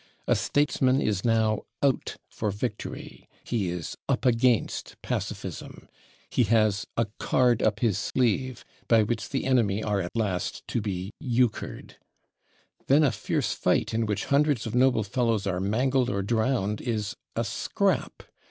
A statesman is now /out/ for victory; he is /up against/ pacificism.... He has a /card up his sleeve/, by which the enemy are at last to be /euchred/. Then a fierce fight in which hundreds of noble fellows are mangled or drowned is a /scrap